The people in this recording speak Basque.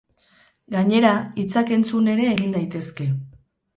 Gainera, hitzak entzun ere egin daitezke.